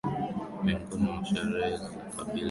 Miongoni mwa sherehe za kabila la kimasai